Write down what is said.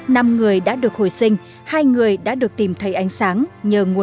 năm người đã được hồi sinh hai người đã được tìm thấy ánh sáng